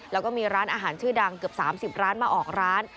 แล้วก็มีร้านอาหารชื่อดังเกือบ๓๐ร้านมาออกร้าน